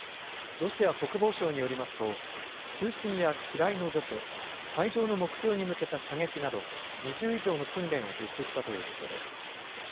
ロシア国防省によりますと、通信や機雷の除去、海上の目標に向けた射撃など２０以上の訓練を実施したということです。